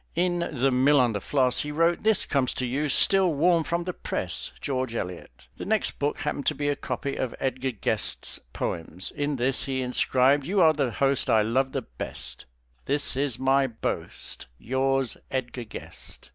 In "The Mill on the Floss" he wrote "This comes to you still warm from the press, George Eliot." The next book happened to be a copy of Edgar Guest's poems. In this he inscribed "You are the host I love the best, This is my boast, Yours, Edgar Guest."